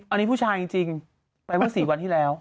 อันนี้ผู้ชายจริงไปเมื่อ๔วันที่แล้ว